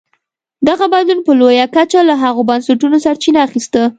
دغه بدلون په لویه کچه له هغو بنسټونو سرچینه اخیسته.